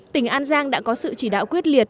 tỉnh an giang đã có sự chỉ đạo quyết liệt